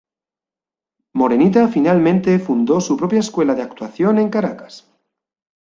Morenita finalmente fundó su propia escuela de actuación en Caracas.